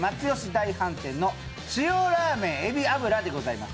大飯店の塩ラーメンえび油でございます。